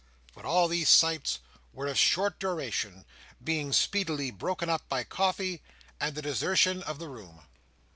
But all these sights were of short duration, being speedily broken up by coffee, and the desertion of the room.